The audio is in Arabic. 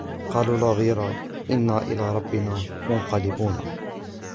قَالُوا لَا ضَيْرَ إِنَّا إِلَى رَبِّنَا مُنْقَلِبُونَ